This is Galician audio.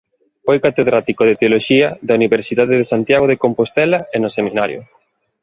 Foi catedrático de Teoloxía da Universidade de Santiago de Compostela e no Seminario.